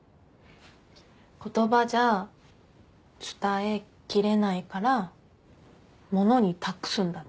言葉じゃ伝えきれないから物に託すんだって。